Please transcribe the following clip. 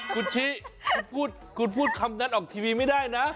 กูจี้พูดคำนั้นออกทีวีไม่ได้นะ